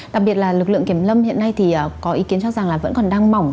đặc biệt là lực lượng kiểm lâm hiện nay thì có ý kiến cho rằng là vẫn còn đang mỏng